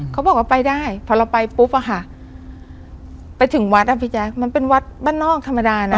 เขาบอกว่าไปได้พอเราไปปุ๊บอะค่ะไปถึงวัดอ่ะพี่แจ๊คมันเป็นวัดบ้านนอกธรรมดานะ